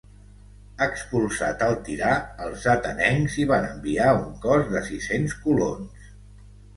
Expulsat el tirà els atenencs hi van enviar un cos de sis-cents colons.